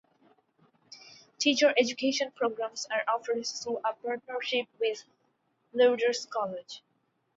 Teacher education programs are offered through a partnership with Lourdes College.